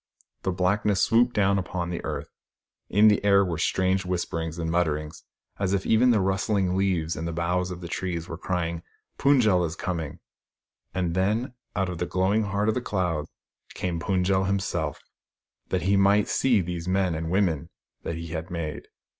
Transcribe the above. The blackness swooped down upon the earth. In the air were strange whisperings and mutterings, as if even the rustling leaves and the boughs of the trees were crying, " Fund j el is coming !" And then, out of the glowing heart of the cloud came Fund j el himself, that he might see these men and women that he had made.